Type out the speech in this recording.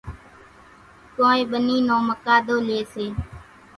ڪونئين ٻنِي نو مقاۮو ليئيَ سي۔